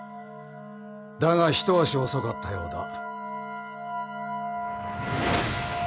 だが一足遅かったようだ。